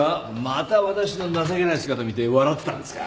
また私の情けない姿を見て笑ってたんですか？